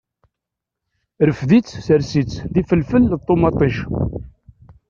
Rfed-itt sers-itt d ifelfel d ṭumaṭic.